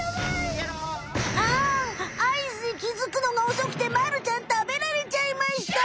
ああ合図にきづくのがおそくてまるちゃんたべられちゃいました！